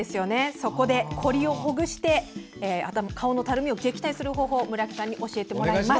そこで凝りをほぐして顔のたるみを撃退する方法を村木さんに教えてもらいます。